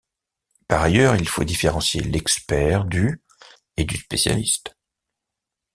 Par ailleurs, il faut différencier l'expert du et du spécialiste.